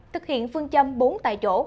thực hiện phương châm bốn tại chỗ